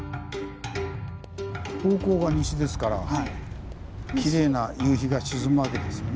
方向が西ですからきれいな夕日が沈むわけですよね。